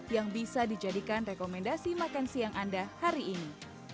yang bisa dijadikan rekomendasi makan siang anda hari ini